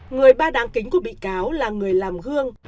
người ba đáng kính của bị cáo là người làm hương